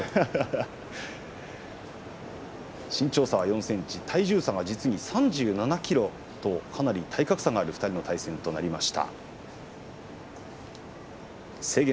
身長差は４ｃｍ、体重差は実に３７ｋｇという体格差がある２人の対戦です。